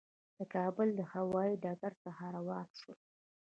د کابل له هوایي ډګر څخه روان شولو.